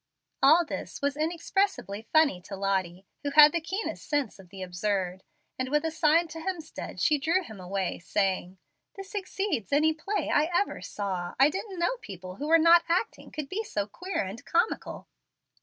All this was inexpressibly funny to Lottie, who had the keenest sense of the absurd, and with a sign to Hemstead she drew him away, saying, "This exceeds any play I ever saw. I didn't know people who were not acting could be so queer and comical."